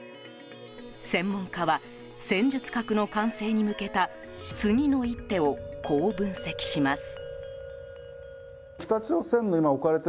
専門家は戦術核の完成に向けた次の一手をこう分析します。